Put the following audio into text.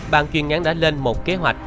bang chuyên ngắn đã lên một kế hoạch